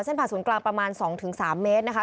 ผ่าศูนย์กลางประมาณ๒๓เมตรนะคะ